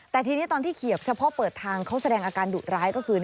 แต่ทีนี้ตอนที่เขียบเฉพาะเปิดทางเขาแสดงอาการดุร้ายก็คือ